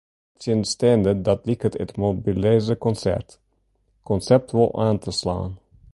Nettsjinsteande dat liket it mobylleaze konsert-konsept wol oan te slaan.